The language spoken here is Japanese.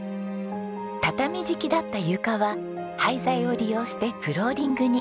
畳敷きだった床は廃材を利用してフローリングに。